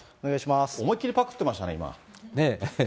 思いっきりパクっていましたね、今。